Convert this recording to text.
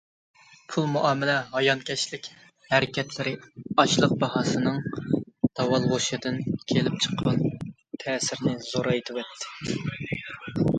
پۇل مۇئامىلە ھايانكەشلىك ھەرىكەتلىرى ئاشلىق باھاسىنىڭ داۋالغۇشىدىن كېلىپ چىققان تەسىرنى زورايتىۋەتتى.